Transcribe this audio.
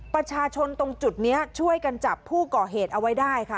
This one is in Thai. ประชาชนตรงจุดนี้ช่วยกันจับผู้ก่อเหตุเอาไว้ได้ค่ะ